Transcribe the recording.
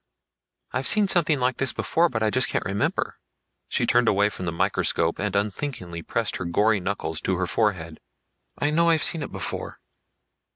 I've seen something like it before, but I just can't remember." She turned away from the microscope and unthinkingly pressed her gory knuckles to her forehead. "I know I've seen it before."